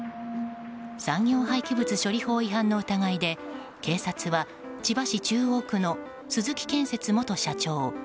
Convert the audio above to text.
産業廃棄物処理法違反の疑いで警察は千葉市中央区の鈴木建設元社長